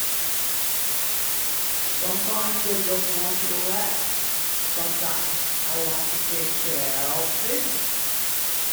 Sometimes I just want to relax, sometimes I want to take care of business.